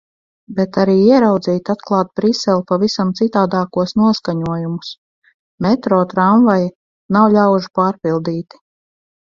Bet arī ieraudzīt, atklāt Briseli pavisam citādākos noskaņojumus. Metro, tramvaji - nav ļaužu pārpildīti.